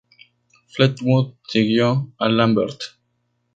Fleetwood siguió a Lambert.